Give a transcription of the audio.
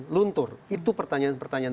luntur itu pertanyaan pertanyaan